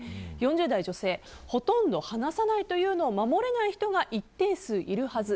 ４０代女性ほとんど話さないというのを守れない人が一定数いるはず。